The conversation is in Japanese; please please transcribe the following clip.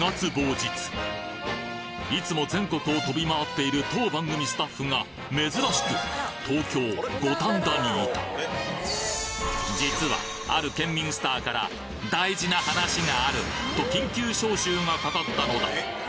いつも全国を飛び回っている当番組スタッフが珍しく東京・五反田にいた実は大事な話があるとがかかったのだ！